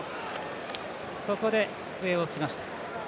ここで笛を吹きました。